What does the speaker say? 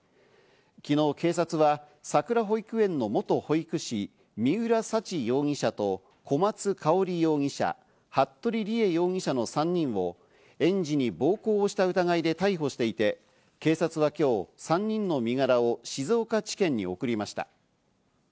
昨日、警察はさくら保育園の元保育士、三浦沙知容疑者と小松香織容疑者、服部理江容疑者の３人を園児に暴行した疑いで逮捕していて、警察は今日、３人の身柄を静岡地検に送りました。